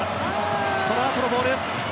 このあとのボール。